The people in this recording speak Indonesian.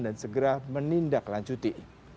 dan segera menindaklanjuti